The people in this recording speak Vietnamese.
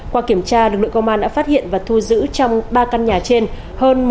qua kiểm tra lực lượng công an đã phát hiện và thu giữ trong ba căn nhà trên hơn một một trăm bốn mươi một